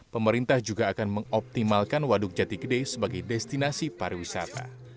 pemerintah juga akan mengoptimalkan waduk jati gede sebagai destinasi pariwisata